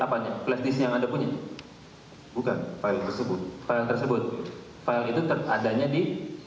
file nya flashdisk yang ada punya bukan file tersebut file tersebut file itu teradanya di